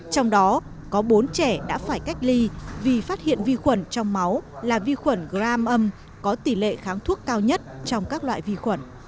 trong đó có bốn trẻ đã phải cách ly vì phát hiện vi khuẩn trong máu là vi khuẩn gram âm có tỷ lệ kháng thuốc cao nhất trong các loại vi khuẩn